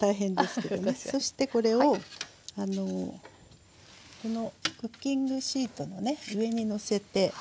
そしてこれをこのクッキングシートのね上にのせて。